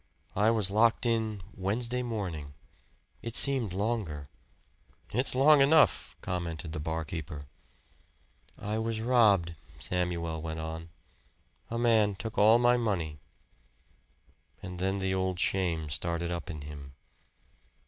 "I was locked in Wednesday morning. It seemed longer." "It's long enough," commented the barkeeper. "I was robbed," Samuel went on. "A man took all my money." And then the old shame started up in him.